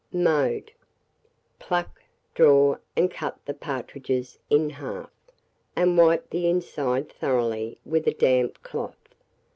Mode. Pluck, draw, and cut the partridges in half, and wipe the inside thoroughly with a damp cloth.